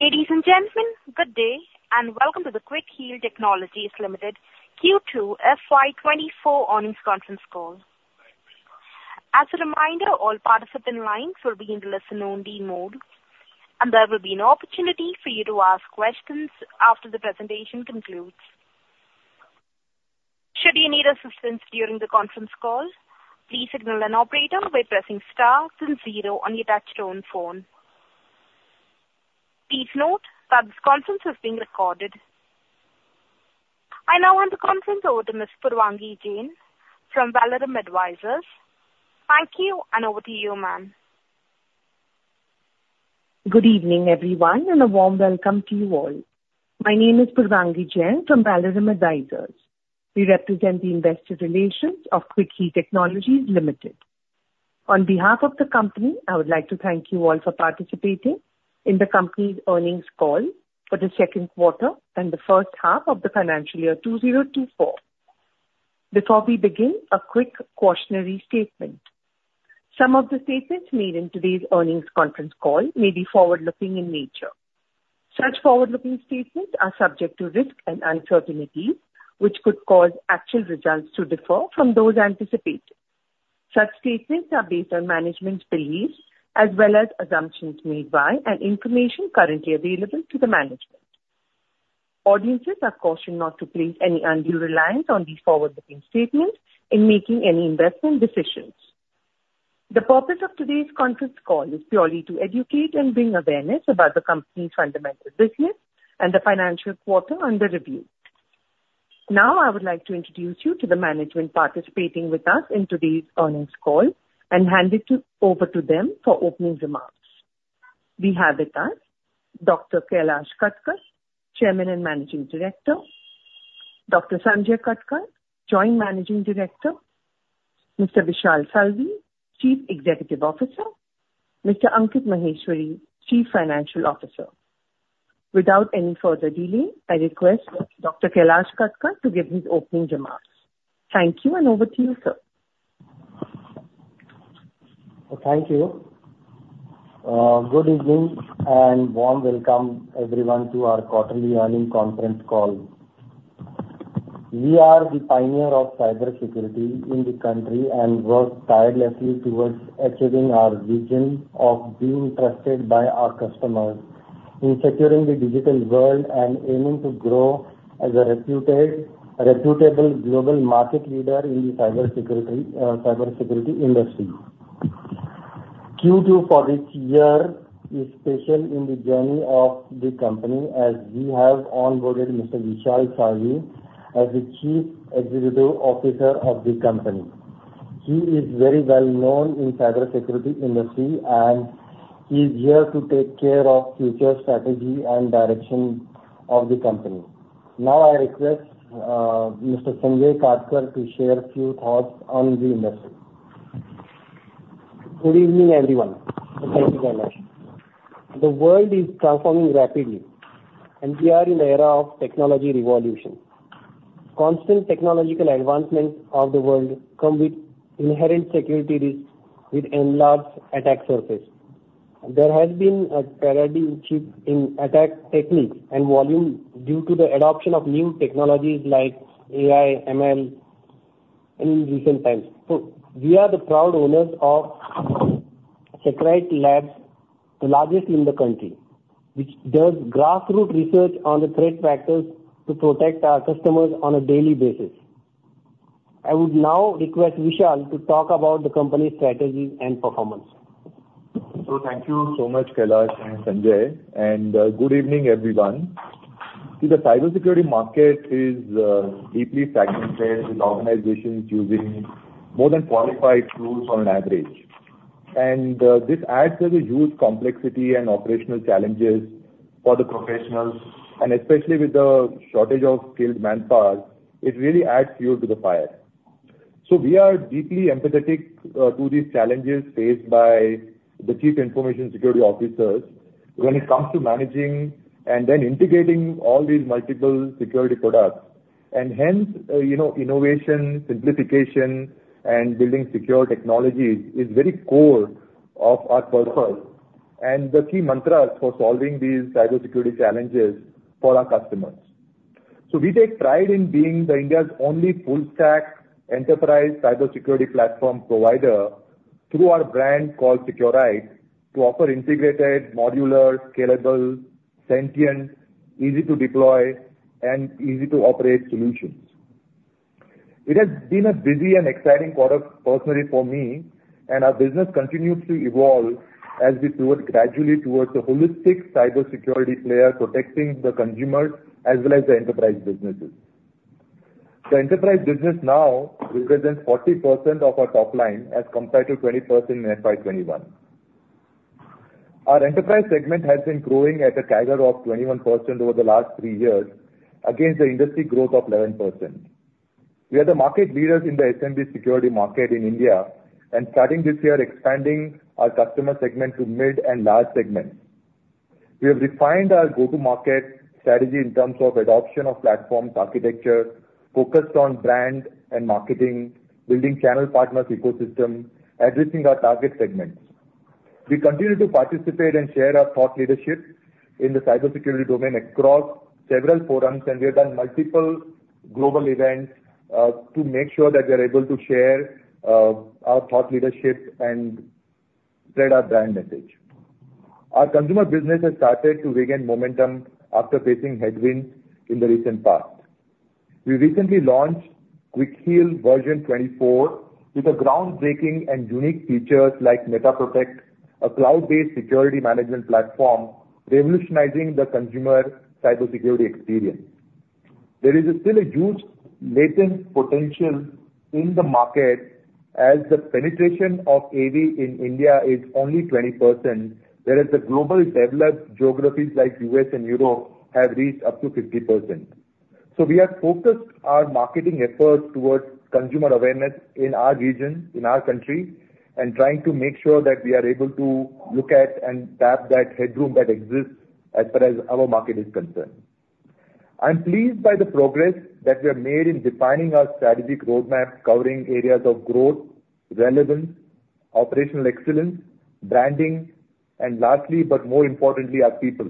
Ladies and gentlemen, good day, and welcome to the Quick Heal Technologies Limited Q2 FY 2024 Earnings Conference Call. As a reminder, all participants in lines will be in listen only mode, and there will be an opportunity for you to ask questions after the presentation concludes. Should you need assistance during the conference call, please signal an operator by pressing star then zero on your touchtone phone. Please note that this conference is being recorded. I now hand the conference over to Ms. Purvangi Jain from Valorem Advisors. Thank you, and over to you, ma'am. Good evening, everyone, and a warm welcome to you all. My name is Purvangi Jain from Valorem Advisors. We represent the investor relations of Quick Heal Technologies Limited. On behalf of the company, I would like to thank you all for participating in the company's earnings call for the second quarter and the first half of the financial year 2024. Before we begin, a quick cautionary statement. Some of the statements made in today's earnings conference call may be forward-looking in nature. Such forward-looking statements are subject to risks and uncertainties, which could cause actual results to differ from those anticipated. Such statements are based on management's beliefs as well as assumptions made by and information currently available to the management. Audiences are cautioned not to place any undue reliance on these forward-looking statements in making any investment decisions. The purpose of today's conference call is purely to educate and bring awareness about the company's fundamental business and the financial quarter under review. Now, I would like to introduce you to the management participating with us in today's earnings call and hand it over to them for opening remarks. We have with us Dr. Kailash Katkar, Chairman and Managing Director, Dr. Sanjay Katkar, Joint Managing Director, Mr. Vishal Salvi, Chief Executive Officer, Mr. Ankit Maheshwari, Chief Financial Officer. Without any further delay, I request Dr. Kailash Katkar to give his opening remarks. Thank you, and over to you, sir. Thank you. Good evening and warm welcome everyone to our Quarterly Earnings Conference Call. We are the pioneer of cybersecurity in the country and work tirelessly towards achieving our vision of being trusted by our customers in securing the digital world and aiming to grow as a reputed, reputable global market leader in the cybersecurity, cybersecurity industry. Q2 for this year is special in the journey of the company, as we have onboarded Mr. Vishal Salvi as the Chief Executive Officer of the company. He is very well known in cybersecurity industry, and he's here to take care of future strategy and direction of the company. Now, I request Mr. Sanjay Katkar to share a few thoughts on the industry. Good evening, everyone, and thank you, Kailash. The world is transforming rapidly, and we are in the era of technology revolution. Constant technological advancements of the world come with inherent security risks with enlarged attack surface. There has been a paradigm shift in attack techniques and volume due to the adoption of new technologies like AI, ML in recent times. So we are the proud owners of Seqrite Labs, the largest in the country, which does grassroots research on the threat factors to protect our customers on a daily basis. I would now request Vishal to talk about the company's strategies and performance. So thank you so much, Kailash and Sanjay, and good evening, everyone. See, the cybersecurity market is deeply fragmented, with organizations using more than qualified tools on average. And this adds to the huge complexity and operational challenges for the professionals, and especially with the shortage of skilled manpower, it really adds fuel to the fire. So we are deeply empathetic to these challenges faced by the Chief Information Security Officers when it comes to managing and then integrating all these multiple security products. And hence, you know, innovation, simplification, and building secure technologies is very core of our purpose and the key mantra for solving these cybersecurity challenges for our customers. So we take pride in being India's only full-stack enterprise cybersecurity platform provider through our brand called Seqrite, to offer integrated, modular, scalable, sentient, easy to deploy, and easy to operate solutions. It has been a busy and exciting quarter personally for me, and our business continues to evolve as we move gradually towards a holistic cybersecurity player, protecting the consumer as well as the enterprise businesses. The enterprise business now represents 40% of our top line, as compared to 20% in FY 2021. Our enterprise segment has been growing at a CAGR of 21% over the last 3 years, against the industry growth of 11%. We are the market leaders in the SMB security market in India, and starting this year, expanding our customer segment to mid and large segments. We have refined our go-to-market strategy in terms of adoption of platforms architecture, focused on brand and marketing, building channel partners' ecosystem, addressing our target segments. We continue to participate and share our thought leadership in the cybersecurity domain across several forums, and we have done multiple global events, to make sure that we are able to share, our thought leadership and spread our brand message. Our consumer business has started to regain momentum after facing headwinds in the recent past. We recently launched Quick Heal version 24 with a groundbreaking and unique features like metaProtect, a cloud-based security management platform, revolutionizing the consumer cybersecurity experience. There is still a huge latent potential in the market as the penetration of AV in India is only 20%, whereas the global developed geographies like U.S. and Europe have reached up to 50%. We have focused our marketing efforts towards consumer awareness in our region, in our country, and trying to make sure that we are able to look at and tap that headroom that exists as far as our market is concerned. I'm pleased by the progress that we have made in defining our strategic roadmap, covering areas of growth, relevance, operational excellence, branding, and lastly, but more importantly, our people.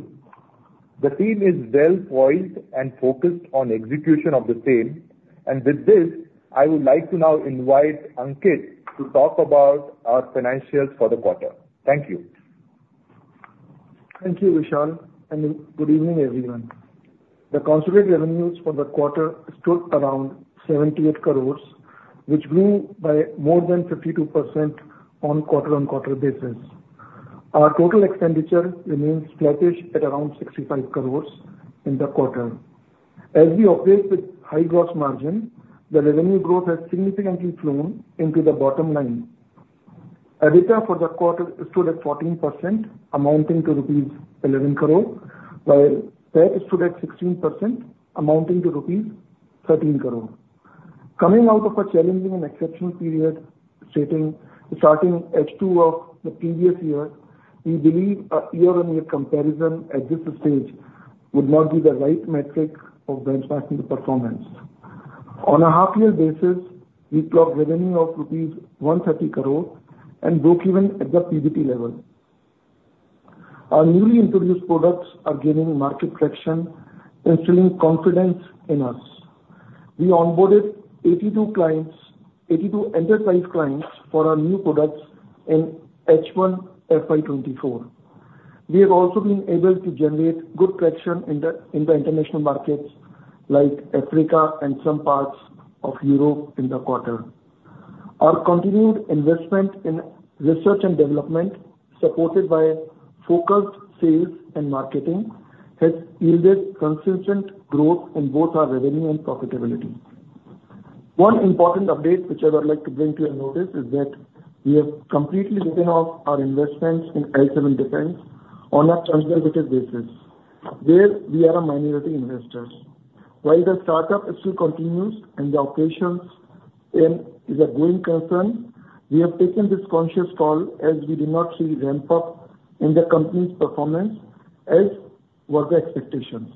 The team is well poised and focused on execution of the same, and with this, I would like to now invite Ankit to talk about our financials for the quarter. Thank you. Thank you, Vishal, and good evening, everyone. The consolidated revenues for the quarter stood around 78 crore, which grew by more than 52% on quarter-on-quarter basis. Our total expenditure remains flattish at around 65 crore in the quarter. As we operate with high gross margin, the revenue growth has significantly flown into the bottom line. EBITDA for the quarter stood at 14%, amounting to rupees 11 crore, while PAT stood at 16%, amounting to rupees 13 crore. Coming out of a challenging and exceptional period setting starting H2 of the previous year, we believe a year-on-year comparison at this stage would not be the right metric of benchmarking the performance. On a half year basis, we plot revenue of rupees 130 crore and breakeven at the PBT level. Our newly introduced products are gaining market traction, instilling confidence in us. We onboarded 82 clients, 82 enterprise clients for our new products in H1 FY 2024. We have also been able to generate good traction in the international markets like Africa and some parts of Europe in the quarter. Our continued investment in research and development, supported by focused sales and marketing, has yielded consistent growth in both our revenue and profitability. One important update which I would like to bring to your notice is that we have completely written off our investments in L7 Defense on a transaction basis. There we are a minority investors. While the startup still continues and the operations in Israel is a growing concern, we have taken this conscious call as we do not see ramp up in the company's performance as were the expectations.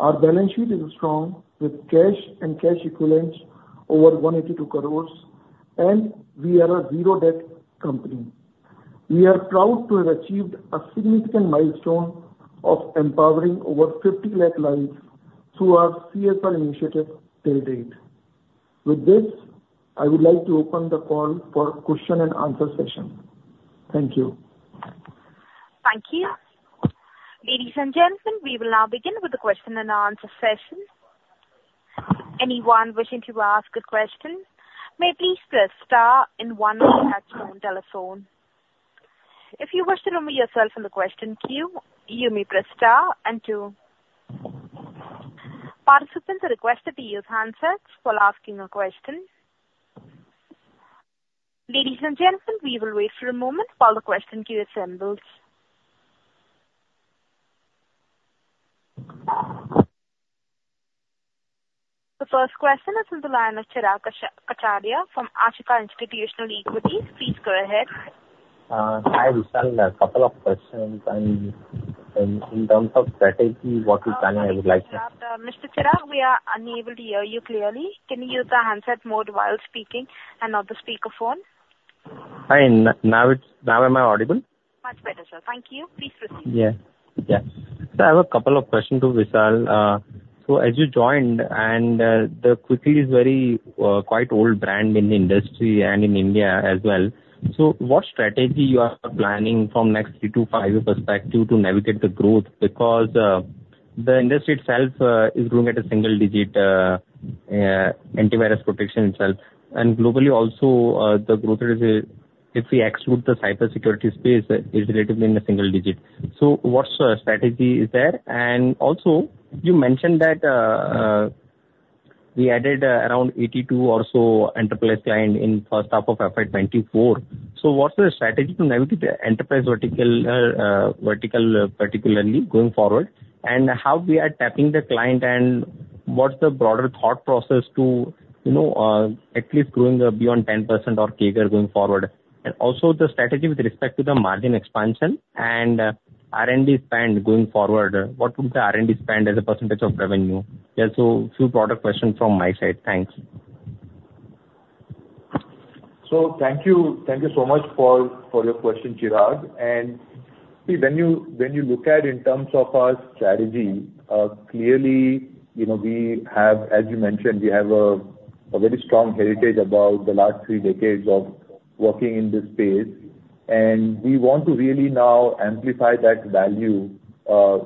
Our balance sheet is strong, with cash and cash equivalents over 182 crore, and we are a zero debt company. We are proud to have achieved a significant milestone of empowering over 50 lakh lives through our CSR initiative to date. With this, I would like to open the call for question and answer session. Thank you. Thank you. Ladies and gentlemen, we will now begin with the question and answer session. Anyone wishing to ask a question, may please press star and one on your touchtone telephone. If you wish to remove yourself from the question queue, you may press star and two. Participants are requested to use handsets while asking a question. Ladies and gentlemen, we will wait for a moment while the question queue assembles. The first question is from the line of Chirag Kachhadiya from Ashika Institutional Equity. Please go ahead. Hi, Vishal. A couple of questions and, and in terms of strategy, what we're planning, I would like to. Mr. Chirag, we are unable to hear you clearly. Can you use the handset mode while speaking and not the speaker phone? Hi, now it's, now am I audible? Much better, sir. Thank you. Please proceed. Yeah. Yeah. So I have a couple of questions to Vishal. So as you joined and, the Quick Heal is very, quite old brand in the industry and in India as well. So what strategy you are planning from next 3-5 perspective to navigate the growth? Because, the industry itself, is growing at a single digit, antivirus protection itself, and globally also, the growth rate is, if we exclude the cybersecurity space, is relatively in the single digit. So what, strategy is there? And also you mentioned that, we added, around 82 or so enterprise client in first half of FY 2024. So what's the strategy to navigate the enterprise vertical, particularly going forward, and how we are tapping the client, and what's the broader thought process to, you know, at least growing beyond 10% or CAGR going forward? And also the strategy with respect to the margin expansion and, R&D spend going forward, what would the R&D spend as a percentage of revenue? Yeah, so few product questions from my side. Thanks. So thank you. Thank you so much for, for your question, Chirag. And see, when you, when you look at in terms of our strategy, clearly, you know, we have, as you mentioned, we have a, a very strong heritage about the last three decades of working in this space, and we want to really now amplify that value,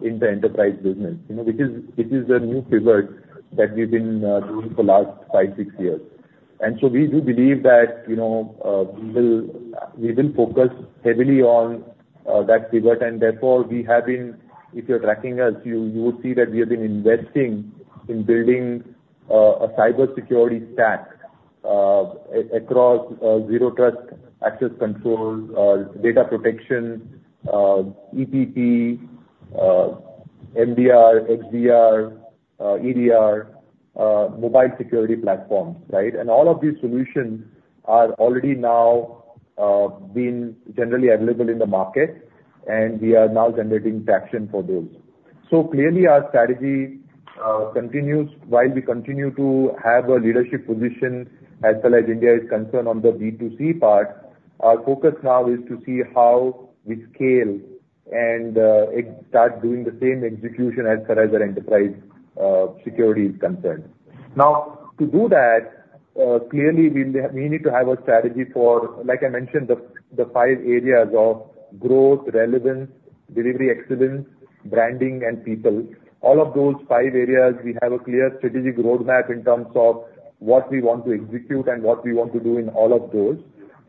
in the enterprise business. You know, it is, it is a new pivot that we've been, doing for the last 5-6 years. So we do believe that, you know, we will focus heavily on that pivot, and therefore we have been, if you're tracking us, you would see that we have been investing in building a cybersecurity stack across Zero Trust, access control, data protection, EPP, MDR, XDR, EDR, mobile security platforms, right? All of these solutions are already now being generally available in the market, and we are now generating traction for those. So clearly, our strategy continues. While we continue to have a leadership position as far as India is concerned on the B2C part, our focus now is to see how we scale and start doing the same execution as far as our enterprise security is concerned. Now, to do that, clearly, we need to have a strategy for, like I mentioned, the five areas of growth, relevance, delivery excellence, branding, and people. All of those five areas, we have a clear strategic roadmap in terms of what we want to execute and what we want to do in all of those.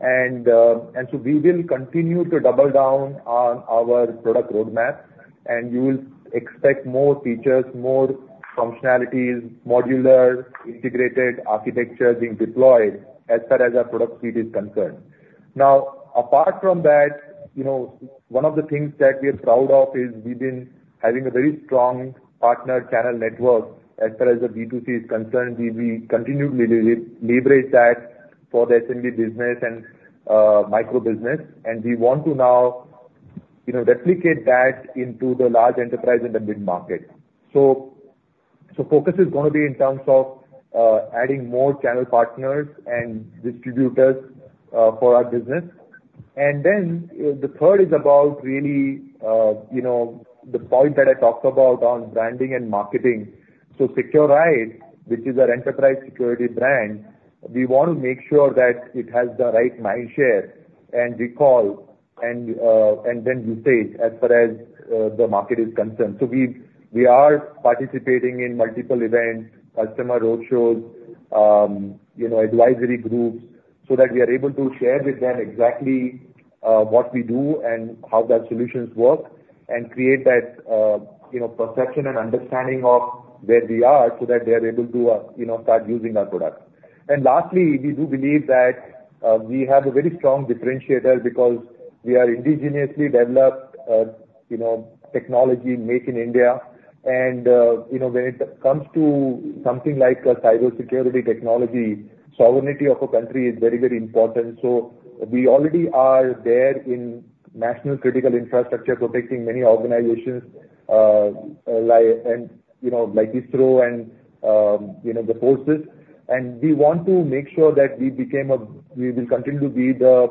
And, and so we will continue to double down on our product roadmap, and you will expect more features, more functionalities, modular, integrated architecture being deployed as far as our product suite is concerned. Now, apart from that, you know, one of the things that we are proud of is we've been having a very strong partner channel network as far as the B2C is concerned. We continually leverage that for the SMB business and micro business, and we want to now, you know, replicate that into the large enterprise and the mid-market. So focus is gonna be in terms of adding more channel partners and distributors for our business. And then the third is about really you know the point that I talked about on branding and marketing. So Seqrite, which is our enterprise security brand, we want to make sure that it has the right mind share and recall, and then usage as far as the market is concerned. So we are participating in multiple events, customer roadshows, you know, advisory groups, so that we are able to share with them exactly, what we do and how their solutions work, and create that, you know, perception and understanding of where we are, so that they are able to, you know, start using our product. And lastly, we do believe that, we have a very strong differentiator because we are indigenously developed, you know, technology made in India. And, you know, when it comes to something like a cybersecurity technology, sovereignty of a country is very, very important. So we already are there in national critical infrastructure, protecting many organizations, like, and, you know, like ISRO and, you know, the forces. We want to make sure that we become, we will continue to be the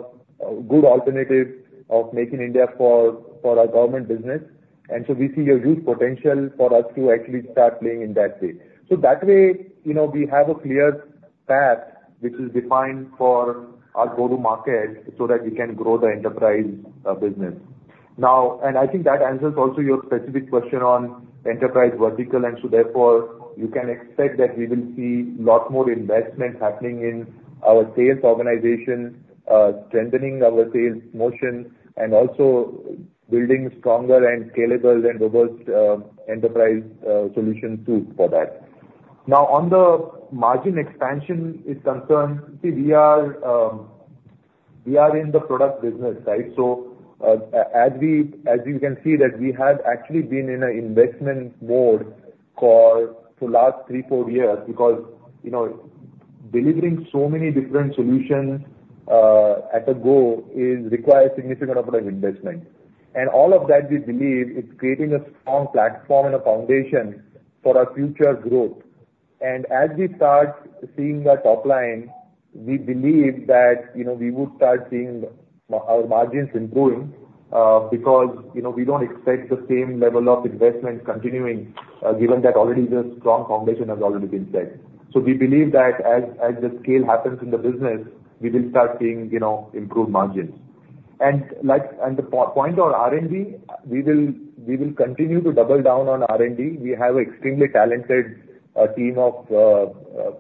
good alternative of making India for our government business. And so we see a huge potential for us to actually start playing in that space. So that way, you know, we have a clear path which is defined for our go-to-market, so that we can grow the enterprise business. Now, I think that answers also your specific question on enterprise vertical, and so therefore, you can expect that we will see a lot more investment happening in our sales organization, strengthening our sales motion, and also building stronger and scalable and robust enterprise solution too for that. Now, on the margin expansion is concerned, see, we are, we are in the product business, right? So, as we, as you can see, that we have actually been in a investment mode for the last three, four years, because, you know, delivering so many different solutions, at a go, is require significant amount of investment. And all of that, we believe is creating a strong platform and a foundation for our future growth. And as we start seeing that top line, we believe that, you know, we would start seeing our margins improving, because, you know, we don't expect the same level of investment continuing, given that already the strong foundation has already been set. So we believe that as, as the scale happens in the business, we will start seeing, you know, improved margins. And like, and the point on R&D, we will, we will continue to double down on R&D. We have an extremely talented team of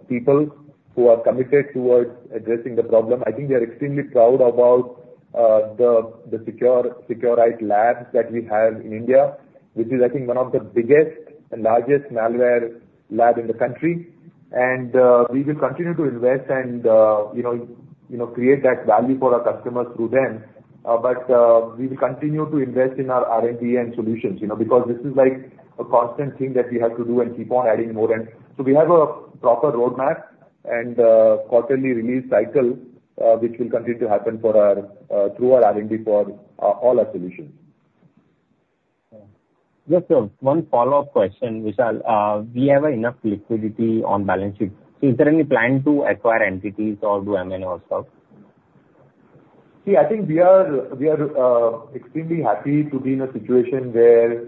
people who are committed towards addressing the problem. I think we are extremely proud about the Seqrite Labs that we have in India, which is, I think, one of the biggest and largest malware lab in the country. We will continue to invest and you know, create that value for our customers through them. But we will continue to invest in our R&D and solutions, you know, because this is like a constant thing that we have to do and keep on adding more. So we have a proper roadmap and quarterly release cycle, which will continue to happen through our R&D for all our solutions. Just, one follow-up question, Vishal. Do you have enough liquidity on balance sheet? Is there any plan to acquire entities or do M&A or so? See, I think we are, we are, extremely happy to be in a situation where,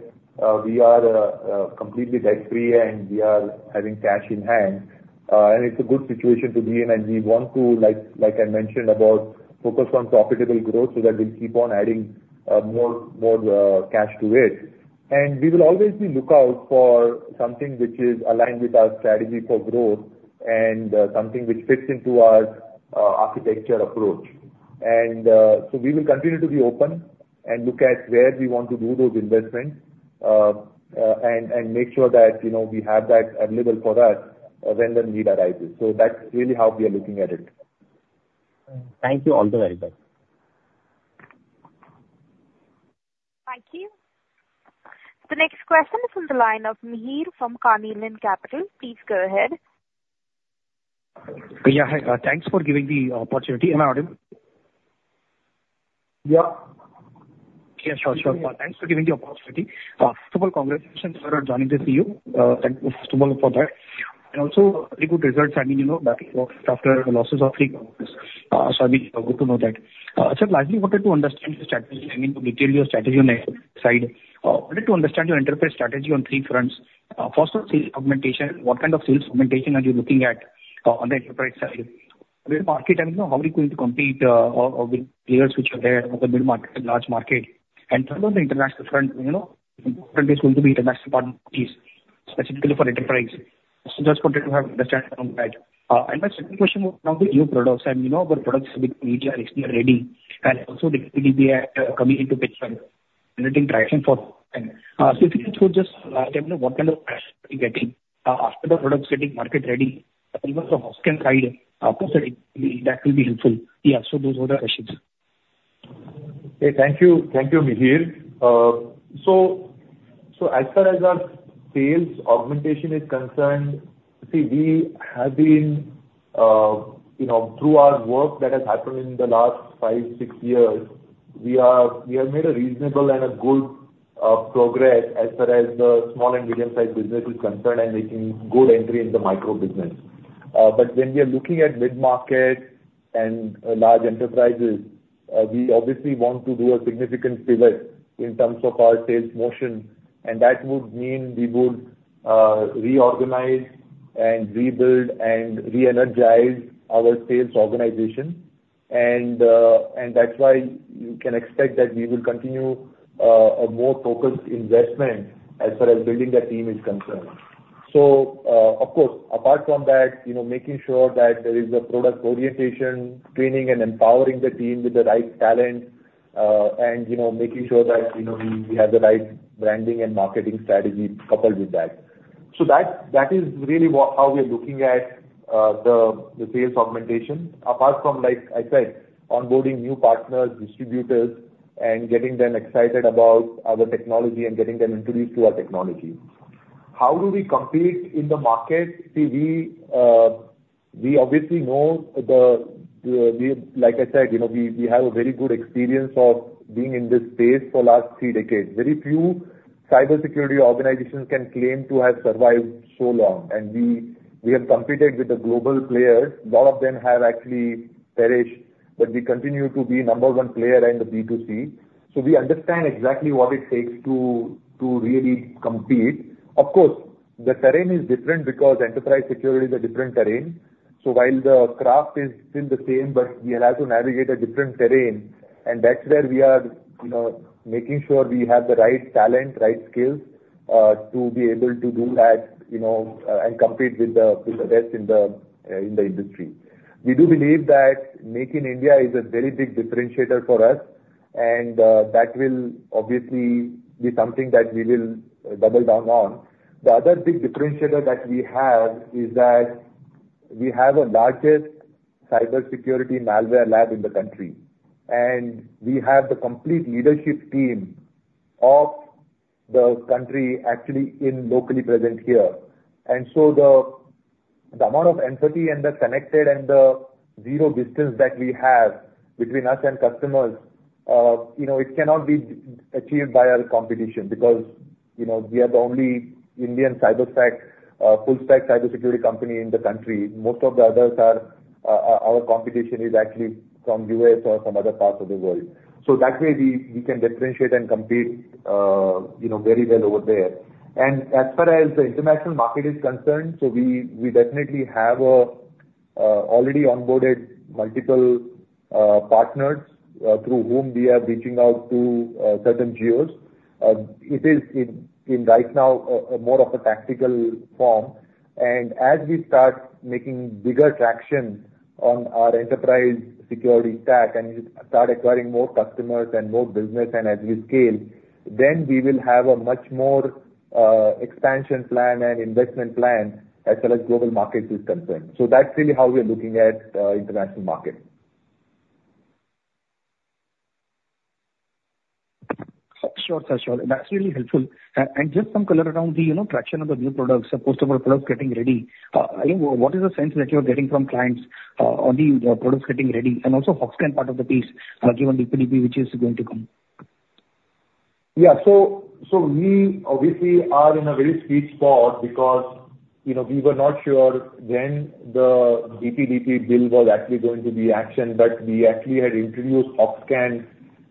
we are, completely debt-free and we are having cash in hand. And it's a good situation to be in, and we want to like, like I mentioned, about focus on profitable growth so that we keep on adding, more, more, cash to it. And we will always be look out for something which is aligned with our strategy for growth and, something which fits into our, architecture approach. And, so we will continue to be open and look at where we want to do those investments, and, and make sure that, you know, we have that available for us, when the need arises. So that's really how we are looking at it. Thank you. All the very best. Thank you. The next question is on the line of Mihir from Carnelian Capital. Please go ahead. Yeah, hi. Thanks for giving the opportunity. Am I audible? Yeah. Yeah, sure, sure. Thanks for giving the opportunity. First of all, congratulations for joining as the CEO. Thank you, first of all, for that. And also, very good results. I mean, you know, back after losses of three quarters, so it'll be good to know that. Sir, I actually wanted to understand your strategy, I mean, to detail your strategy on the side. Wanted to understand your enterprise strategy on three fronts. First, on sales augmentation, what kind of sales augmentation are you looking at, on the enterprise side? With market, I mean, how are you going to compete, with players which are there in the mid-market, large market? And second, on the international front, you know, important is going to be international partners, specifically for enterprise. Just wanted to have understanding on that. And my second question would be on the new products, and you know, about products with MDR and XDR are ready, and also the DPDP, coming into picture and getting traction for them. So if you can just let me know what kind of traction are you getting after the products getting market ready, and also the Hoxhunt side, after launching, that will be helpful. Yeah, so those were the questions. Okay. Thank you. Thank you, Mihir. So as far as our sales augmentation is concerned, see, we have been, you know, through our work that has happened in the last five, six years, we have made a reasonable and a good progress as far as the small and medium-sized business is concerned, and making good entry in the micro business. But when we are looking at mid-market and large enterprises, we obviously want to do a significant pivot in terms of our sales motion, and that would mean we would reorganize and rebuild and re-energize our sales organization. That's why you can expect that we will continue a more focused investment as far as building that team is concerned. Of course, apart from that, you know, making sure that there is a product orientation, training, and empowering the team with the right talent, and, you know, making sure that, you know, we, we have the right branding and marketing strategy coupled with that. That is really what, how we are looking at the sales augmentation. Apart from, like I said, onboarding new partners, distributors, and getting them excited about our technology and getting them introduced to our technology. How do we compete in the market? See, we obviously know the, the, like I said, you know, we, we have a very good experience of being in this space for the last three decades. Very few cybersecurity organizations can claim to have survived so long, and we, we have competed with the global players. A lot of them have actually perished, but we continue to be number one player in the B2C. So we understand exactly what it takes to really compete. Of course, the terrain is different because enterprise security is a different terrain. So while the craft is still the same, but we have to navigate a different terrain, and that's where we are, you know, making sure we have the right talent, right skills, to be able to do that, you know, and compete with the best in the industry. We do believe that Make in India is a very big differentiator for us, and that will obviously be something that we will double down on. The other big differentiator that we have is that we have the largest cybersecurity malware lab in the country, and we have the complete leadership team of the country actually locally present here. So the amount of empathy and the connected and the zero distance that we have between us and customers, you know, it cannot be achieved by our competition because, you know, we are the only Indian cyber stack, full stack cybersecurity company in the country. Most of the others are, our competition is actually from U.S. or some other parts of the world. So that way, we can differentiate and compete, you know, very well over there. As far as the international market is concerned, we definitely have already onboarded multiple partners through whom we are reaching out to certain geos. It is right now more of a tactical form. And as we start making bigger traction on our enterprise security stack and start acquiring more customers and more business, and as we scale, then we will have a much more expansion plan and investment plan as far as global market is concerned. So that's really how we are looking at international market. Sure, sir, sure. That's really helpful. And, and just some color around the, you know, traction of the new products, the post-development products getting ready. You know, what is the sense that you are getting from clients, on the products getting ready and also Hoxhunt part of the piece, given the DPDP which is going to come? Yeah, so, so we obviously are in a very sweet spot because, you know, we were not sure when the DPDP bill was actually going to be actioned, but we actually had introduced HawkkHunt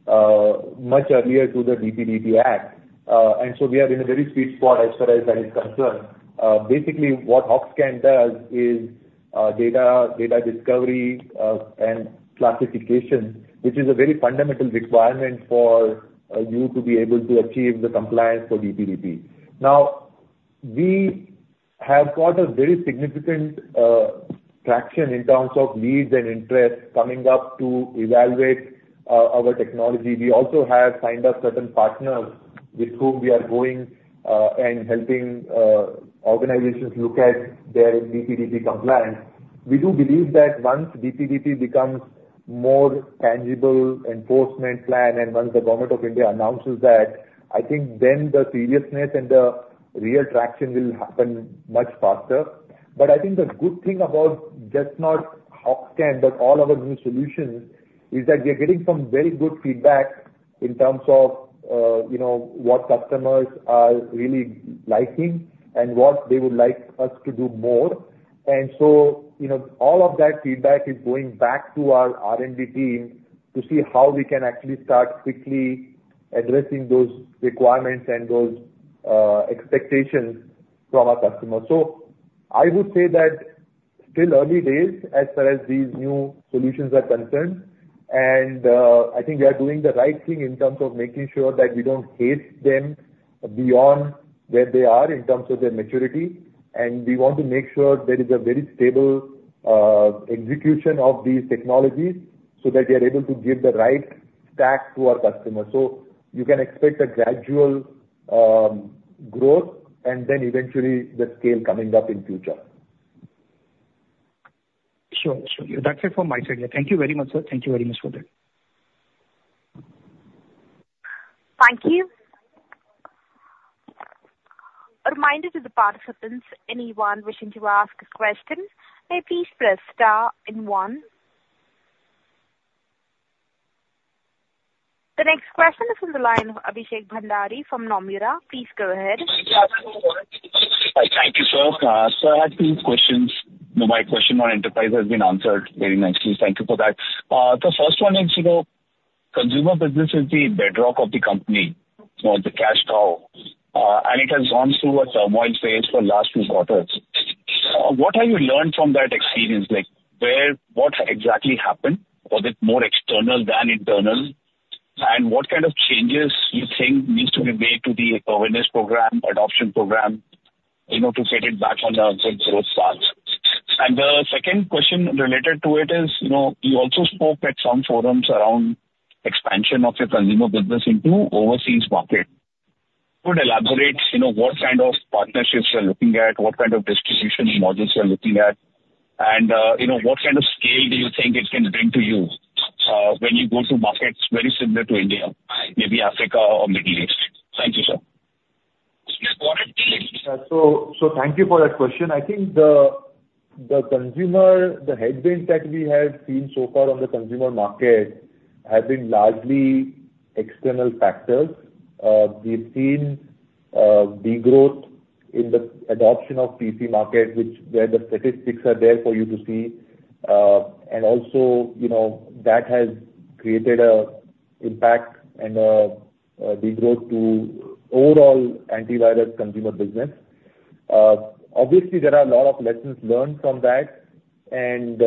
much earlier to the DPDP act. And so we are in a very sweet spot as far as that is concerned. Basically, what HawkkHunt does is data discovery and classification, which is a very fundamental requirement for you to be able to achieve the compliance for DPDP. Now, we have got a very significant traction in terms of leads and interest coming up to evaluate our technology. We also have signed up certain partners with whom we are going and helping organizations look at their DPDP compliance. We do believe that once DPDP becomes more tangible enforcement plan, and once the Government of India announces that, I think then the seriousness and the real traction will happen much faster. But I think the good thing about just not Hoxhunt, but all our new solutions, is that we are getting some very good feedback in terms of, you know, what customers are really liking and what they would like us to do more. And so, you know, all of that feedback is going back to our R&D team to see how we can actually start quickly addressing those requirements and those expectations from our customers. So I would say that still early days, as far as these new solutions are concerned. I think we are doing the right thing in terms of making sure that we don't hasten them beyond where they are in terms of their maturity. We want to make sure there is a very stable execution of these technologies, so that we are able to give the right stack to our customers. You can expect a gradual growth and then eventually the scale coming up in future. Sure, sure. That's it from my side. Thank you very much, sir. Thank you very much for that. Thank you. A reminder to the participants, anyone wishing to ask questions, may please press star and one. The next question is on the line, Abhishek Bhandari from Nomura. Please go ahead. Hi. Thank you, sir. So I had two questions. My question on enterprise has been answered very nicely. Thank you for that. The first one is, you know, consumer business is the bedrock of the company or the cash cow, and it has gone through a turmoil phase for last few quarters. What have you learned from that experience? Like, where, what exactly happened? Was it more external than internal? And what kind of changes you think needs to be made to the awareness program, adoption program, you know, to get it back on the right growth path? And the second question related to it is, you know, you also spoke at some forums around expansion of your consumer business into overseas market. Could elaborate, you know, what kind of partnerships you are looking at, what kind of distribution models you are looking at, and, you know, what kind of scale do you think it can bring to you, when you go to markets very similar to India, maybe Africa or Middle East? Thank you, sir. Thank you for that question. I think the consumer headwinds that we have seen so far on the consumer market have been largely external factors. We've seen degrowth in the adoption of PC market, where the statistics are there for you to see. Also, you know, that has created an impact and a degrowth to overall antivirus consumer business. Obviously, there are a lot of lessons learned from that, and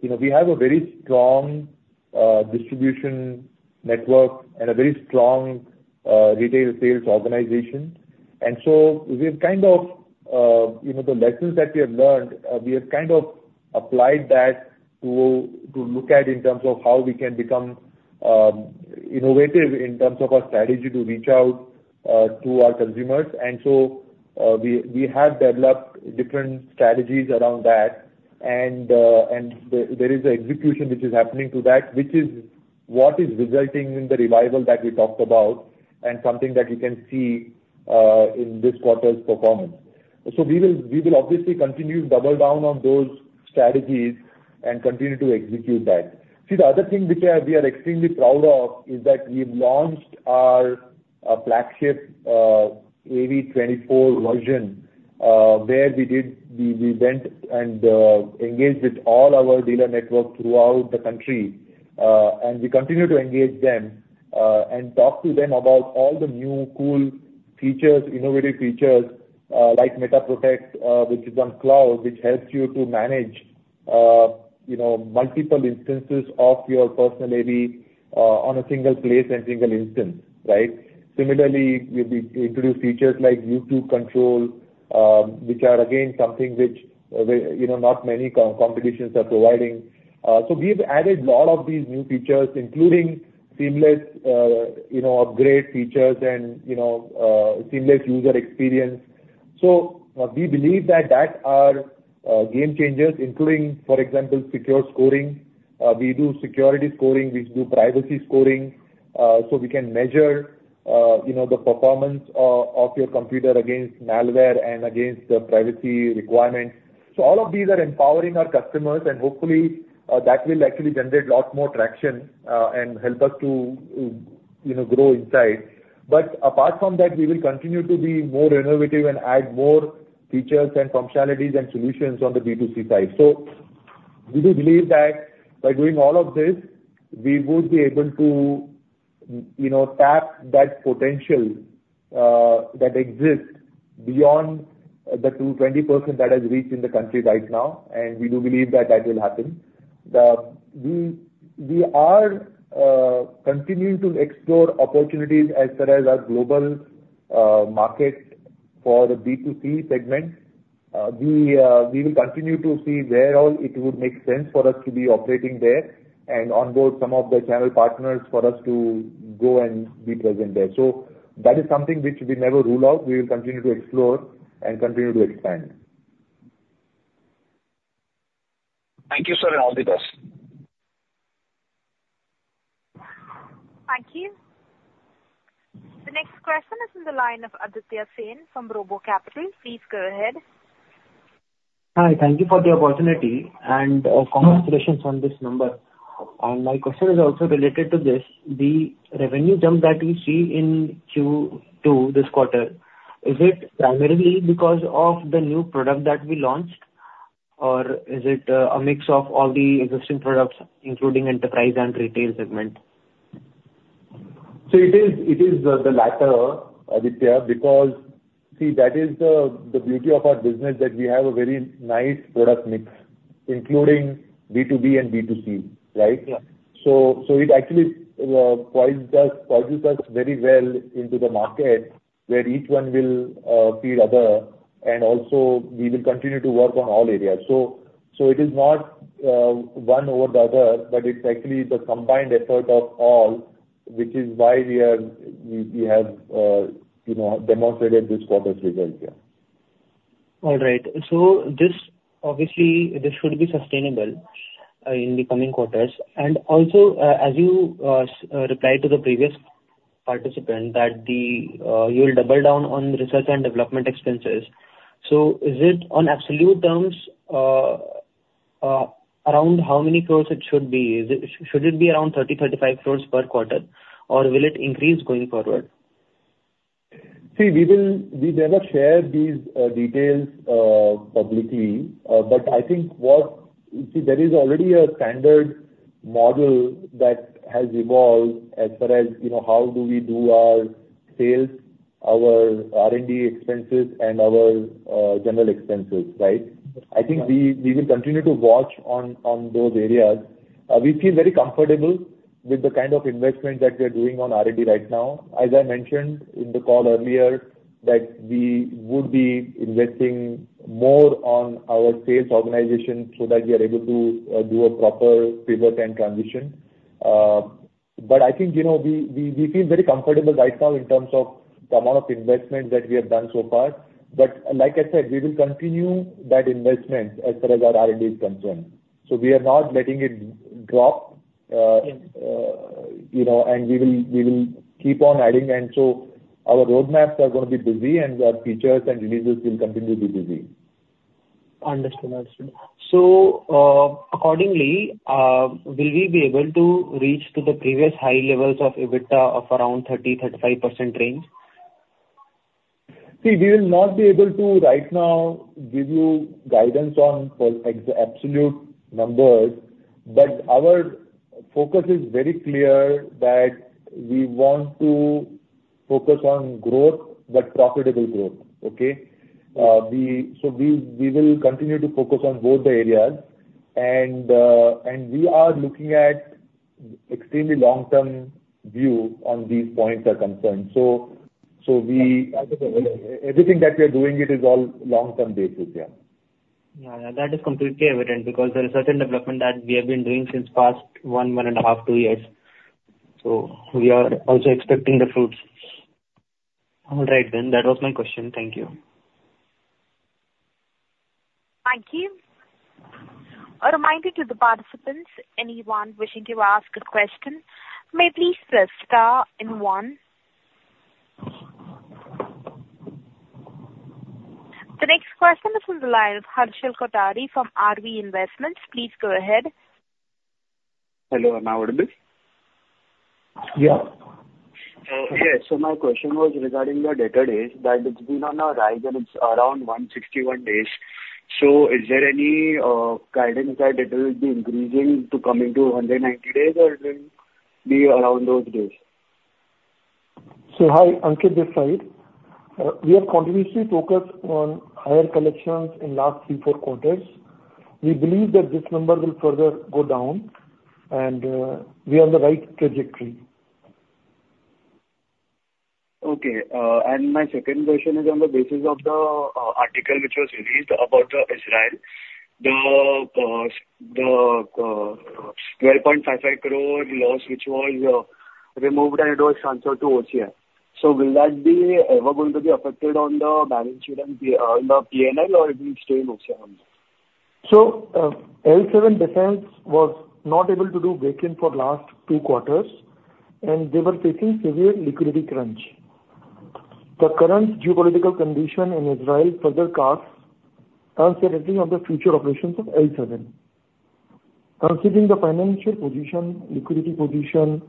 you know, we have a very strong distribution network and a very strong retail sales organization. So we've kind of, you know, the lessons that we have learned. We have kind of applied that to look at in terms of how we can become innovative in terms of our strategy to reach out to our consumers. And so, we have developed different strategies around that. And, and there is an execution which is happening to that, which is what is resulting in the revival that we talked about and something that you can see in this quarter's performance. So we will obviously continue to double down on those strategies and continue to execute that. See, the other thing which we are extremely proud of is that we've launched our flagship AV 24 version, where we went and engaged with all our dealer network throughout the country. And we continue to engage them, and talk to them about all the new cool features, innovative features, like metaProtect which is on cloud, which helps you to manage, you know, multiple instances of your personal AV, on a single place and single instance, right? Similarly, we've introduced features like YouTube control, which are again, something which, where, you know, not many competitions are providing. So we've added a lot of these new features, including seamless, you know, upgrade features and, you know, seamless user experience. So we believe that, that are, game changers, including, for example, secure scoring. We do security scoring, we do privacy scoring, so we can measure, you know, the performance of, of your computer against malware and against the privacy requirements. So all of these are empowering our customers, and hopefully, that will actually generate a lot more traction, and help us to, you know, grow in size. But apart from that, we will continue to be more innovative and add more features and functionalities and solutions on the B2C side. So we do believe that by doing all of this, we would be able to, you know, tap that potential, that exists beyond the 2-20% that has reached in the country right now, and we do believe that that will happen. We are continuing to explore opportunities as per our global market for the B2C segment. We will continue to see where all it would make sense for us to be operating there and onboard some of the channel partners for us to go and be present there. So that is something which we never rule out. We will continue to explore and continue to expand. Thank you, sir, and all the best. Thank you. The next question is in the line of Aditya Sen from RoboCapital. Please go ahead. Hi, thank you for the opportunity and, congratulations on this number. My question is also related to this: the revenue jump that we see in Q2 this quarter, is it primarily because of the new product that we launched, or is it, a mix of all the existing products, including enterprise and retail segment? So it is the latter, Aditya, because, see, that is the beauty of our business, that we have a very nice product mix, including B2B and B2C, right? Yeah. So, it actually positions us very well into the market, where each one will feed other, and also we will continue to work on all areas. So, it is not one over the other, but it's actually the combined effort of all, which is why we have, you know, demonstrated this quarter's results, yeah. All right. So this obviously, this should be sustainable in the coming quarters. And also, as you replied to the previous participant that the, you'll double down on research and development expenses. So is it on absolute terms, around how many crores it should be? Should it be around 30-35 crore per quarter, or will it increase going forward? See, we will, we never share these details publicly. But I think, see, there is already a standard model that has evolved as far as, you know, how do we do our sales, our R&D expenses, and our general expenses, right? Yeah. I think we will continue to watch on those areas. We feel very comfortable with the kind of investment that we are doing on R&D right now. As I mentioned in the call earlier, that we would be investing more on our sales organization so that we are able to do a proper pivot and transition. But I think, you know, we feel very comfortable right now in terms of the amount of investment that we have done so far. But like I said, we will continue that investment as far as our R&D is concerned. So we are not letting it drop. Yes. You know, and we will, we will keep on adding, and so our roadmaps are gonna be busy and our features and releases will continue to be busy. Understood. Understood. So, accordingly, will we be able to reach to the previous high levels of EBITDA of around 30%-35% range? See, we will not be able to, right now, give you guidance on, for ex- the absolute numbers, but our focus is very clear that we want to focus on growth, but profitable growth, okay? We, so we, we will continue to focus on both the areas, and we are looking at extremely long-term view on these points are concerned. Everything that we are doing, it is all long-term basis, yeah. Yeah, that is completely evident, because the research and development that we have been doing since past 1, 1.5, 2 years, so we are also expecting the fruits. All right, then. That was my question. Thank you. Thank you. A reminder to the participants, anyone wishing to ask a question, may please press star and one. The next question is from the line of Harshal Kothari from RB Investments. Please go ahead. Hello, am I audible? Yeah. Yes. So my question was regarding the debtor days, that it's been on a rise and it's around 161 days. So is there any guidance that it will be increasing to coming to 190 days, or it will be around those days? Hi, Ankit this side. We are continuously focused on higher collections in last 3, 4 quarters. We believe that this number will further go down, and we are on the right trajectory. Okay. And my second question is on the basis of the article which was released about the Israel 12.55 crore loss, which was removed and it was transferred to OCI. So will that be ever going to be affected on the balance sheet and the P&L, or it will stay in OCI only? So, L7 Defense was not able to do break even for last two quarters, and they were facing severe liquidity crunch. The current geopolitical condition in Israel further casts uncertainty on the future operations of L7. Considering the financial position, liquidity position,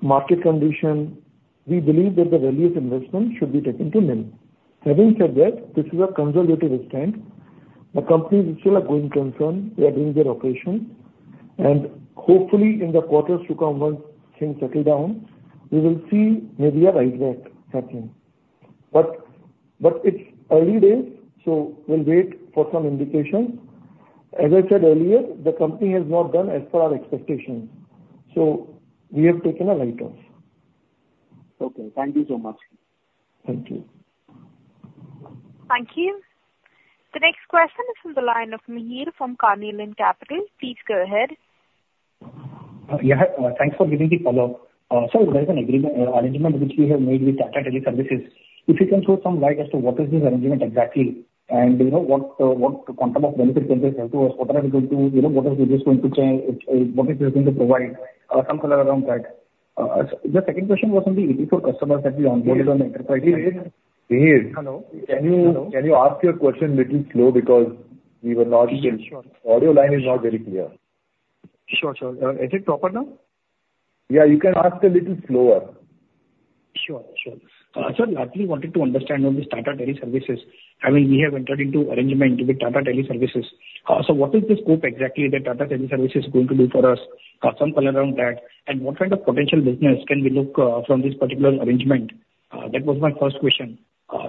market condition, we believe that the value of investment should be taken to minimum. Having said that, this is a consolidated standalone. The company is still a going concern. They are doing their operations, and hopefully, in the quarters to come, once things settle down, we will see maybe a write back settling. But it's early days, so we'll wait for some indications. As I said earlier, the company has not done as per our expectations, so we have taken a write-off. Okay. Thank you so much. Thank you. Thank you. The next question is from the line of Mihir from Carnelian Capital. Please go ahead. Yeah, thanks for giving the follow-up. So there's an agreement, arrangement which we have made with Tata Teleservices. If you can throw some light as to what is this arrangement exactly, and, you know, what quantum of benefit changes have to us? What are we going to, you know, what are we just going to change? What is it going to provide? Some color around that. The second question was on the 84 customers that we onboarded on enterprise. Mihir? Hello. Can you ask your question a little slow because we were not sure? Sure. Audio line is not very clear. Sure, sure. Is it proper now? Yeah, you can ask a little slower. Sure, sure. So lastly, wanted to understand on this Tata Teleservices. I mean, we have entered into arrangement with Tata Teleservices. So what is the scope exactly that Tata Teleservices is going to do for us? Some color around that, and what kind of potential business can we look from this particular arrangement? That was my first question.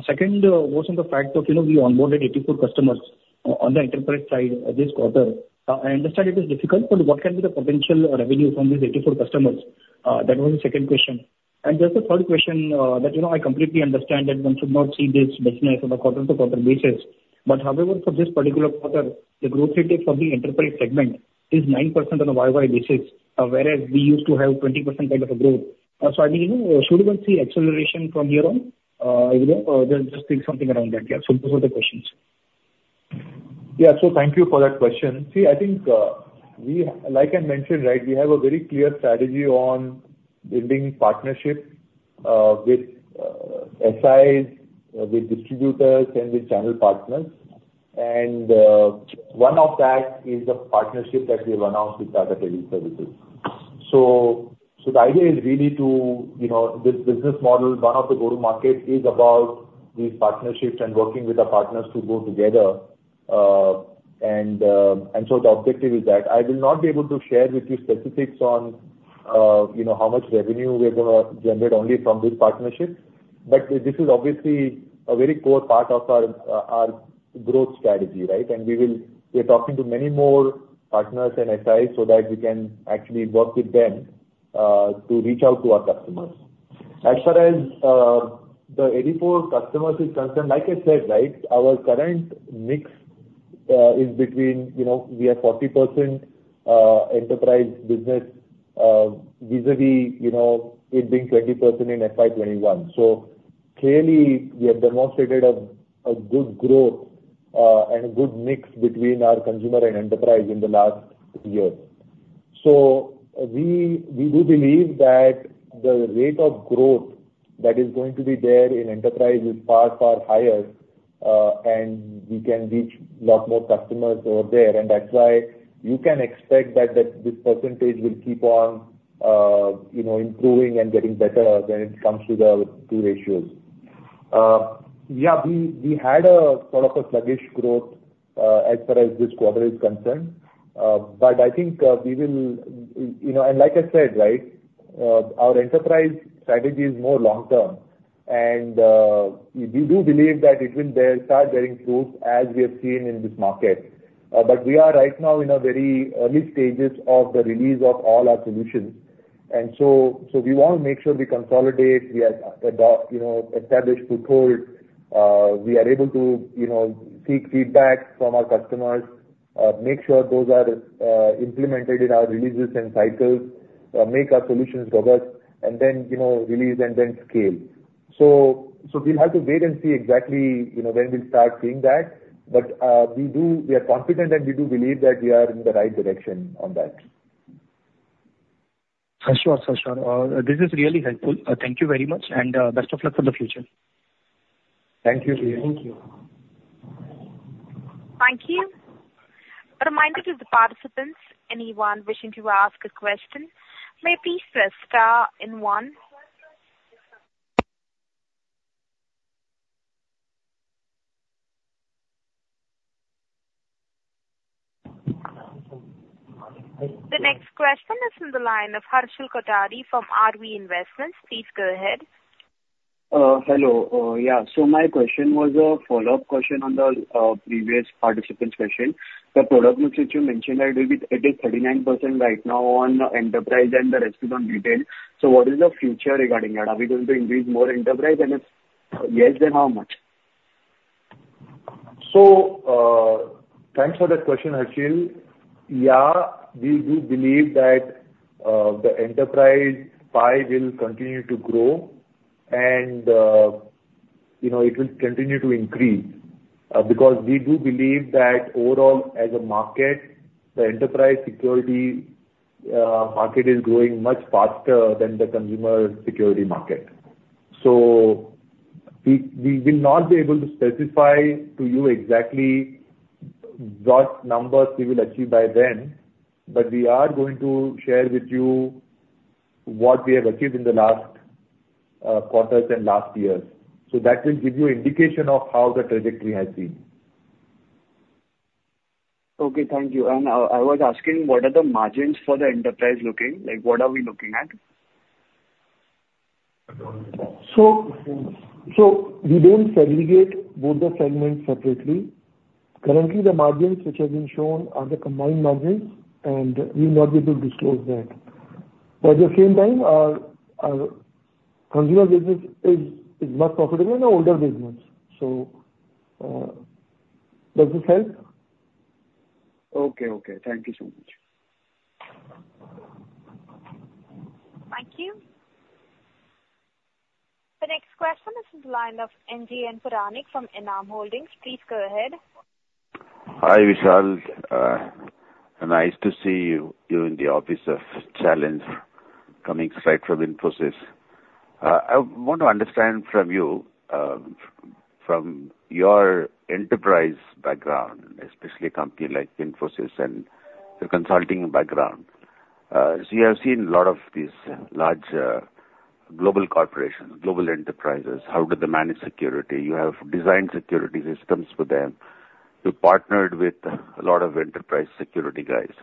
Second, was on the fact that, you know, we onboarded 84 customers on the enterprise side this quarter. I understand it is difficult, but what can be the potential revenue from these 84 customers? That was the second question. Just a third question, that, you know, I completely understand that one should not see this business on a quarter-to-quarter basis, but however, for this particular quarter, the growth rate for the enterprise segment is 9% on a YY basis, whereas we used to have 20% kind of a growth. So I mean, you know, just say something around that. Yeah. So those are the questions. Yeah. So thank you for that question. See, I think, we, like I mentioned, right, we have a very clear strategy on building partnerships, with, SIs, with distributors and with channel partners. And, one of that is the partnership that we have announced with Tata Teleservices. So, so the idea is really to, you know, this business model, one of the go-to-market, is about these partnerships and working with our partners to go together. And, and so the objective is that I will not be able to share with you specifics on, you know, how much revenue we are gonna generate only from this partnership. But this is obviously a very core part of our, our growth strategy, right? And we will, we're talking to many more partners and SIs so that we can actually work with them, to reach out to our customers. As far as, the 84 customers is concerned, like I said, right, our current mix, is between, you know, we are 40%, enterprise business, vis-a-vis, you know, it being 20% in FY 2021. So clearly, we have demonstrated a, a good growth, and a good mix between our consumer and enterprise in the last year. So we, we do believe that the rate of growth that is going to be there in enterprise is far, far higher, and we can reach a lot more customers over there. And that's why you can expect that, that this percentage will keep on, you know, improving and getting better when it comes to the two ratios. Yeah, we had a sort of a sluggish growth, as far as this quarter is concerned. I think we will, you know, and like I said, right, our enterprise strategy is more long term. We do believe that it will bear, start bearing fruits as we have seen in this market. We are right now in a very early stages of the release of all our solutions. We want to make sure we consolidate, we have adopt, you know, establish protocols, we are able to, you know, seek feedback from our customers, make sure those are implemented in our releases and cycles, make our solutions robust, and then, you know, release and then scale. We'll have to wait and see exactly, you know, when we'll start seeing that. But, we do, we are confident, and we do believe that we are in the right direction on that. Sure, sure. This is really helpful. Thank you very much, and best of luck for the future. Thank you, Mihir. Thank you. Thank you. A reminder to the participants, anyone wishing to ask a question, may please press star and one. The next question is from the line of Harshal Kothari from RB Investments. Please go ahead. Hello. Yeah, so my question was a follow-up question on the previous participant's question. The product mix which you mentioned that it will be, it is 39% right now on enterprise and the rest is on retail. So what is the future regarding that? Are we going to increase more enterprise, and if yes, then how much? So, thanks for that question, Harshal. Yeah, we do believe that the enterprise pie will continue to grow, and you know, it will continue to increase because we do believe that overall, as a market, the enterprise security market is growing much faster than the consumer security market. So we will not be able to specify to you exactly what numbers we will achieve by then, but we are going to share with you what we have achieved in the last quarters and last years. So that will give you indication of how the trajectory has been. Okay, thank you. I was asking, what are the margins for the enterprise looking? Like, what are we looking at? So, we don't segregate both the segments separately. Currently, the margins which have been shown are the combined margins, and we will not be able to disclose that. But at the same time, our consumer business is much profitable in the older business, so, does this help? Okay, okay. Thank you so much. Thank you. The next question is in the line of NGN Puranik from Enam Holdings. Please go ahead. Hi, Vishal. Nice to see you in the office of Quick Heal, coming straight from Infosys. I want to understand from you, from your enterprise background, especially a company like Infosys and your consulting background. So you have seen a lot of these large global corporations, global enterprises, how do they manage security? You have designed security systems for them. You partnered with a lot of enterprise security guys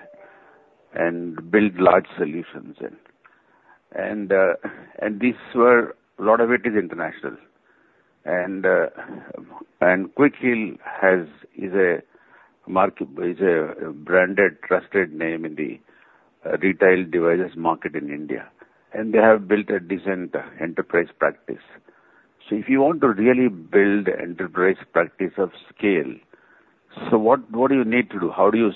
and built large solutions in. And these were a lot of it is international. And Quick Heal is a branded, trusted name in the retail devices market in India, and they have built a decent enterprise practice. So if you want to really build enterprise practice of scale, what do you need to do? How do you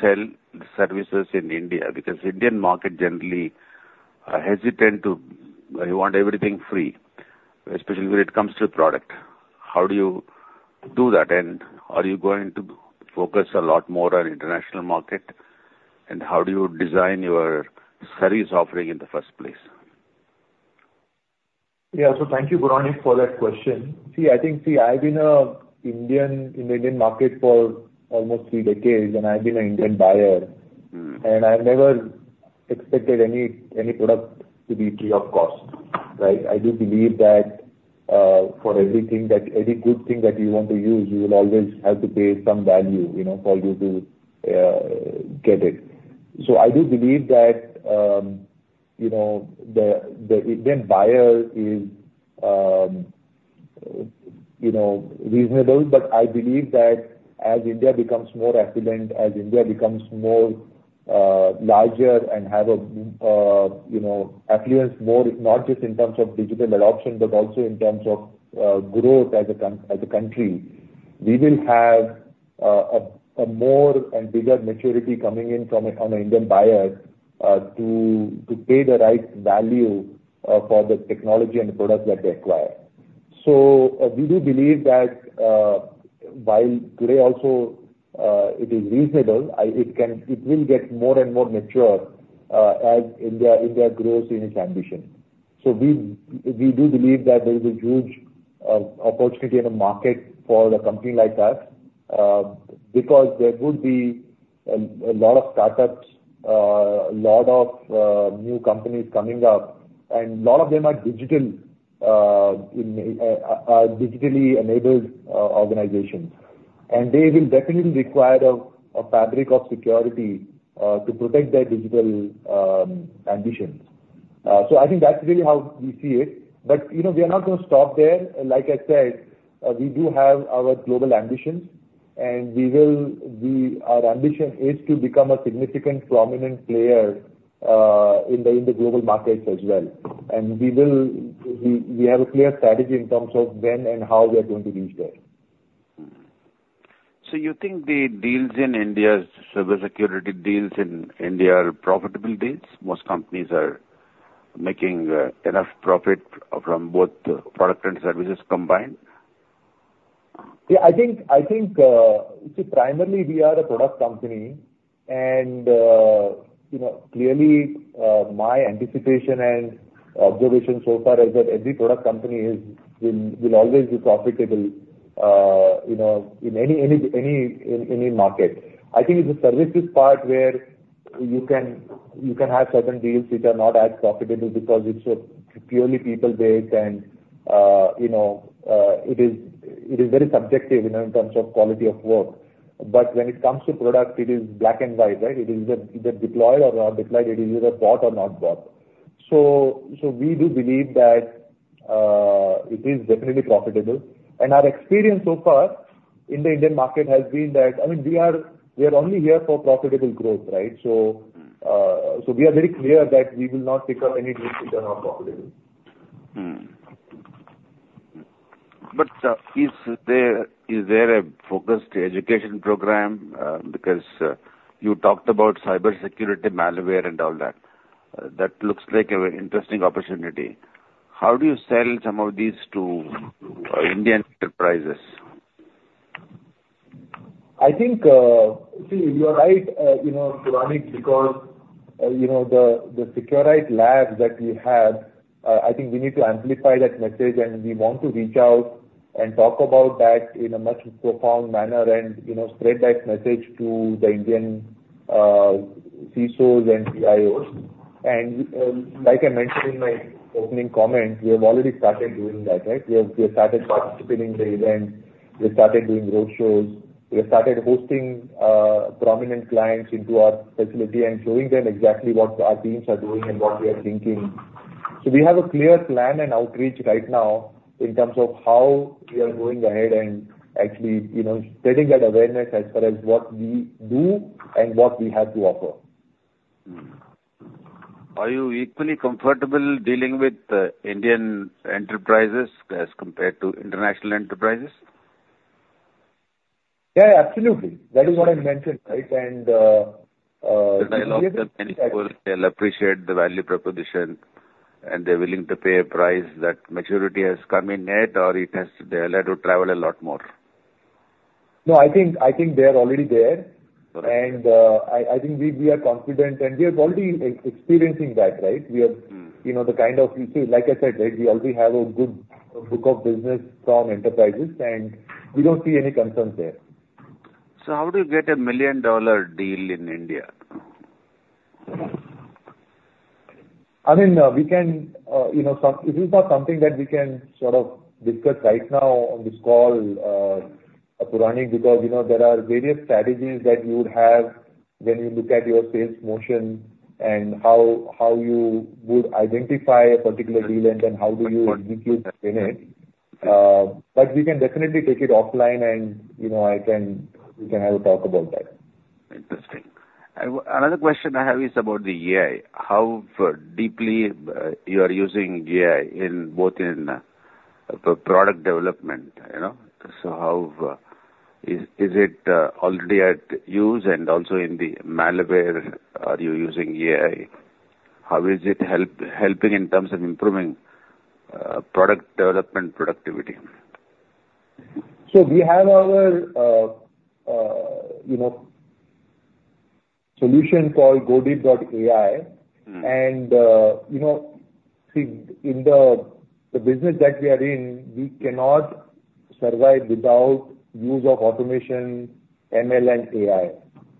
sell the services in India? Because Indian market generally are hesitant to, they want everything free, especially when it comes to product. How do you do that? And are you going to focus a lot more on international market? And how do you design your service offering in the first place? Yeah. So thank you Puranik, for that question. See, I think, see, I've been a Indian in the Indian market for almost three decades, and I've been an Indian buyer. Mm. I've never expected any, any product to be free of cost, right? I do believe that, for everything, that any good thing that you want to use, you will always have to pay some value, you know, for you to get it. I do believe that, you know, the Indian buyer is, you know, reasonable. I believe that as India becomes more affluent, as India becomes more, larger and have a, you know, affluence more, not just in terms of digital adoption, but also in terms of growth as a country, we will have a, a more and bigger maturity coming in from a, from an Indian buyer, to, to pay the right value, for the technology and the products that they acquire. We do believe that, while today also it is reasonable, it can, it will get more and more mature as India grows in its ambition. We do believe that there is a huge opportunity in the market for a company like us, because there would be a lot of startups, a lot of new companies coming up, and a lot of them are digital, are digitally enabled organizations. They will definitely require a fabric of security to protect their digital ambitions. I think that's really how we see it. You know, we are not gonna stop there. Like I said, we do have our global ambitions, and we will. Our ambition is to become a significant, prominent player in the global markets as well. We will have a clear strategy in terms of when and how we are going to reach there. So you think the deals in India's cybersecurity deals in India are profitable deals? Most companies are making enough profit from both product and services combined? Yeah, I think, I think, see, primarily we are a product company, and, you know, clearly, my anticipation and observation so far is that every product company is, will, will always be profitable, you know, in any, any, any, in any market. I think it's the services part where you can, you can have certain deals which are not as profitable because it's a purely people-based and, you know, it is, it is very subjective, you know, in terms of quality of work. But when it comes to product, it is black and white, right? It is either deployed or not deployed. It is either bought or not bought. So, so we do believe that, it is definitely profitable. And our experience so far in the Indian market has been that, I mean, we are, we are only here for profitable growth, right? So, we are very clear that we will not pick up any deals which are not profitable. But, is there, is there a focused education program? Because, you talked about cybersecurity, malware and all that. That looks like a very interesting opportunity. How do you sell some of these to Indian enterprises? I think, see, you are right, you know, Purvangi, because, you know, the Seqrite Labs that we have, I think we need to amplify that message, and we want to reach out and talk about that in a much profound manner and, you know, spread that message to the Indian, you know, CISOs and CIOs. Like I mentioned in my opening comments, we have already started doing that, right? We have started participating in the events, we've started doing road shows, we have started hosting prominent clients into our facility and showing them exactly what our teams are doing and what we are thinking. We have a clear plan and outreach right now in terms of how we are going ahead and actually, you know, spreading that awareness as far as what we do and what we have to offer. Hmm. Are you equally comfortable dealing with Indian enterprises as compared to international enterprises? Yeah, absolutely. That is what I mentioned, right? The dialogue that many people, they'll appreciate the value proposition, and they're willing to pay a price. That maturity has come in it, or it has, they'll have to travel a lot more? No, I think, I think they are already there. Okay. I think we are confident, and we are already experiencing that, right? We are- Hmm. You know, like I said, right, we already have a good book of business from enterprises, and we don't see any concerns there. How do you get a million-dollar deal in India? I mean, we can, you know, It is not something that we can sort of discuss right now on this call, Purvangi, because, you know, there are various strategies that you would have when you look at your sales motion and how you would identify a particular deal and then how do you execute in it. But we can definitely take it offline and, you know, I can, we can have a talk about that. Interesting. Another question I have is about the AI. How deeply you are using AI in both in the product development, you know? Is it already at use, and also in the malware, are you using AI? How is it helping in terms of improving product development productivity? So we have our, you know, solution called GoDeep.AI. Mm. You know, see, in the business that we are in, we cannot survive without use of automation, ML, and AI.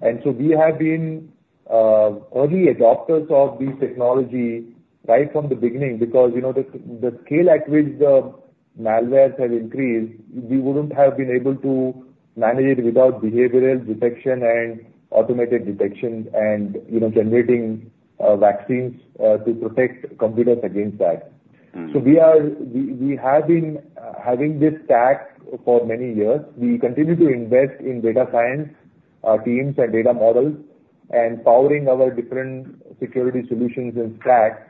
And so we have been early adopters of this technology right from the beginning, because, you know, the scale at which the malwares have increased, we wouldn't have been able to manage it without behavioral detection and automated detection and, you know, generating vaccines to protect computers against that. Hmm. We have been having this stack for many years. We continue to invest in data science, teams and data models, and powering our different security solutions in stack.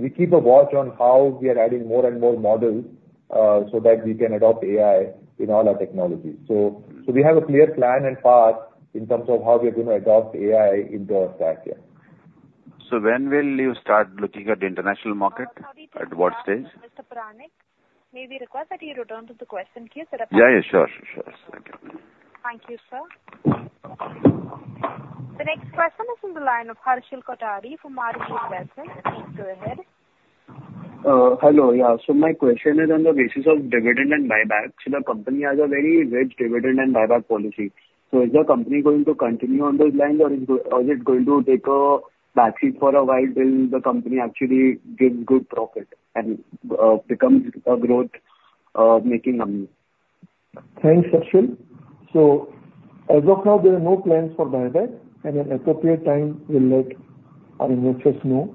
We keep a watch on how we are adding more and more models, so that we can adopt AI in all our technologies. So we have a clear plan and path in terms of how we are going to adopt AI into our stack, yeah. So when will you start looking at the international market? At what stage? Mr. Puranik, may we request that you return to the question queue, sir? Yeah, yeah. Sure, sure, sure. Thank you. Thank you, sir. The next question is from the line of Harshal Kothari from RB Investments. Please go ahead. Hello. Yeah, so my question is on the basis of dividend and buybacks. The company has a very rich dividend and buyback policy. So is the company going to continue on those lines, or is it going to take a backseat for a while till the company actually gets good profit and, becomes a growth, making company? Thanks, Harshal. So as of now, there are no plans for buyback, and at appropriate time, we'll let our investors know.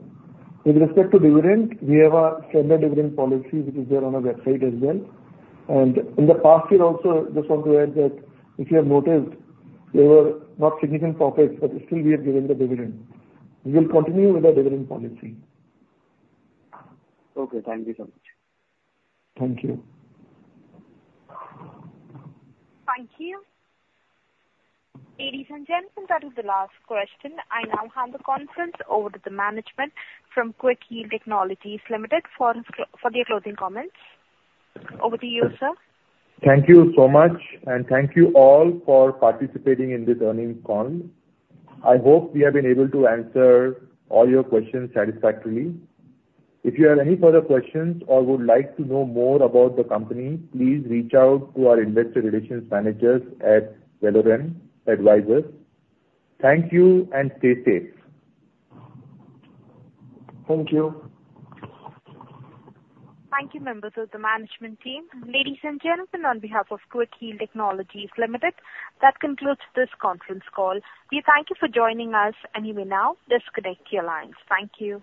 With respect to dividend, we have a standard dividend policy, which is there on our website as well. In the past year also, just want to add that, if you have noticed, there were not significant profits, but still we have given the dividend. We will continue with our dividend policy. Okay. Thank you so much. Thank you. Thank you. Ladies and gentlemen, that is the last question. I now hand the conference over to the management from Quick Heal Technologies Limited for their closing comments. Over to you, sir. Thank you so much, and thank you all for participating in this earnings call. I hope we have been able to answer all your questions satisfactorily. If you have any further questions or would like to know more about the company, please reach out to our investor relations managers at Valorem Advisors. Thank you, and stay safe. Thank you. Thank you, members of the management team. Ladies and gentlemen, on behalf of Quick Heal Technologies Limited, that concludes this conference call. We thank you for joining us, and you may now disconnect your lines. Thank you.